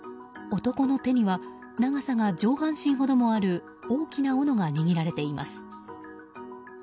男の手には長さが上半身ほどもある大きな斧が握られています。